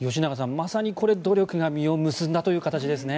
まさに努力が実を結んだという感じですね。